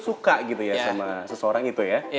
suka gitu ya sama seseorang itu ya